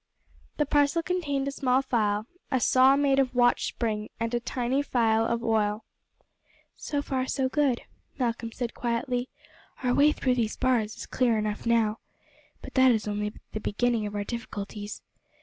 The parcel contained a small file, a saw made of watch spring, and a tiny phial of oil. "So far so good," Malcolm said quietly. "Our way through these bars is clear enough now. But that is only the beginning of our difficulties.